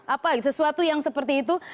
apa sesuatu yang seperti itu